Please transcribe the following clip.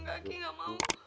nggak aki gak mau